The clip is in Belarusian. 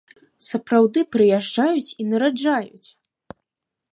Сапраўды прыязджаюць і нараджаюць!